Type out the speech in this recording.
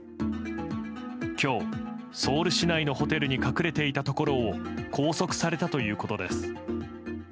今日、ソウル市内のホテルに隠れていたところを拘束されたということです。